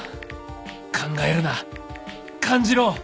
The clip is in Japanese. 考えるな感じろ！